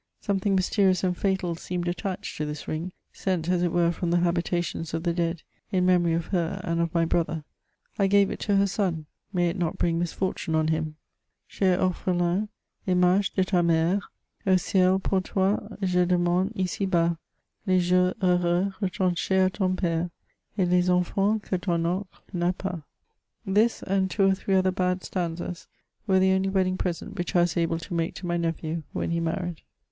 Something mysterious and fatal seemed attached to this ring, sent as it were firom the habitations of the dead, in memory of her and of my brother. I gave it to her son ; may it not bring misfortune on him ! Cher orphelin, image de ta mere, Au del pour toi je demande ici bas Les jours heureux retranches k ton pere Et les enfans que ton onde n'a pas. This, and two or three other bad stanzas, were the only wedding present which I was able to make to my nephew when he married.